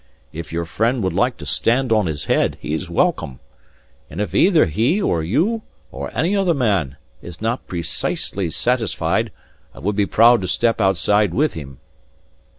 If your friend would like to stand on his head, he is welcome. And if either he, or you, or any other man, is not preceesely satisfied, I will be proud to step outside with him."